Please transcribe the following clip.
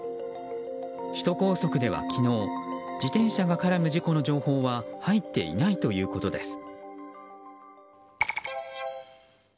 首都高速では昨日自転車が絡む事故の情報は入っていないということです。